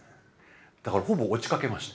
だからほぼ落ちかけました。